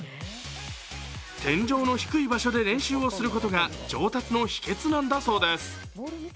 天井の低い場所で練習をすることが上達の秘けつなんだそうです。